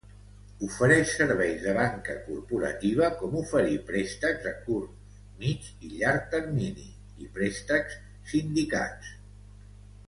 Ofereix serveis de banca corporativa com oferir préstecs a curt, mig i llarg termini i préstecs sindicats.